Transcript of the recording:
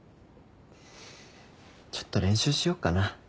ちょっと練習しよっかな。